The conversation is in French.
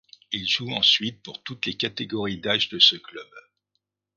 Il joue ensuite pour toutes les catégories d'âge de ce club.